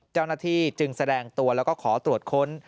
เจ้าหน้าที่จึงแสดงตัวแล้วก็ขอตรวจค้น